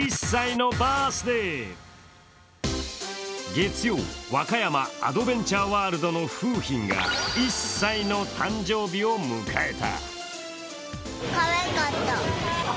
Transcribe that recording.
月曜、和歌山・アドベンチャーワールドの楓浜が１歳の誕生日を迎えた。